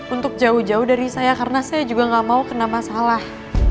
untuk jauh jauh dari saya karena saya juga gak mau kena masalah